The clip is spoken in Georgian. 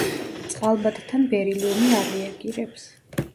წყალბადთან ბერილიუმი არ რეაგირებს.